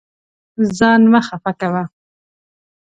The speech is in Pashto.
ځان مه خفه کوه.